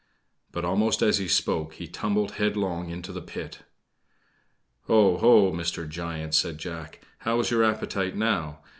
But almost as he spoke, he tumbled headlong into the pit. "Oh, ho, Mr. Giant!" said Jack. "How is your appetite now!